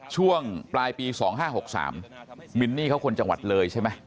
ช่วงปลายปี๒๕๖๓มินนี่เขาคนจังหวัดเลยใช่ไหม